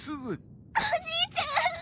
おじいちゃん。